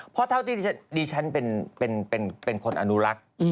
เพราะเท่าที่ดิฉันเป็นคนอนุรักษ์